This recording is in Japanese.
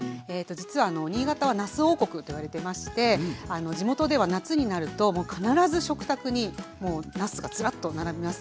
実は新潟は「なす王国」といわれてまして地元では夏になると必ず食卓になすがずらっと並びます。